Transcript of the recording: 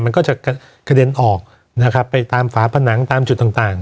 มันก็จะกระเด็นออกนะครับไปตามฝาผนังตามจุดต่างต่าง